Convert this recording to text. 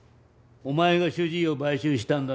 お前が主治医を買収したんだな！？